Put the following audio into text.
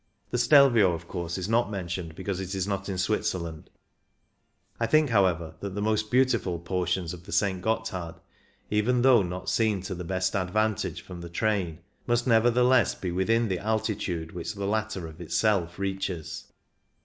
The Stelvio, of course, is not mentioned because it is not in Switzer land. I think, however, that the most beautiful portions of the St. Gotthard, even though not seen to the best advan tage from the train, must nevertheless be within the altitude which the latter of itself reaches.